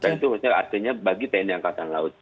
itu maksudnya artinya bagi tni angkatan laut